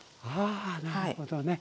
あなるほどね。